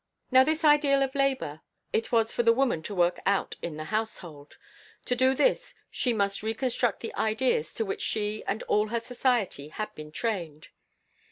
Now this ideal of labor it was for the woman to work out in the household. To do this she must reconstruct the ideas to which she and all her society had been trained.